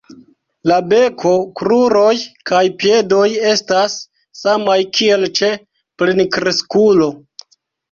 La beko, kruroj kaj piedoj estas samaj kiel ĉe plenkreskulo.